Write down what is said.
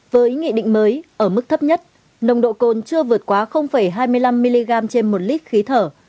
với nghị định mới ở mức thấp nhất nồng độ cồn chưa vượt quá hai mươi năm mg trên một lít khí thở